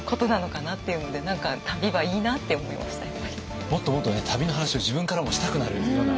もっともっとね旅の話を自分からもしたくなるような感じがしましたね。